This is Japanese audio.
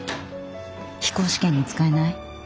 飛行試験に使えない？